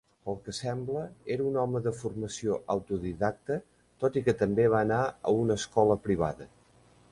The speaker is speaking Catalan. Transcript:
Pel que sembla, era un home de formació autodidacta, tot i que també va anar a una escola privada.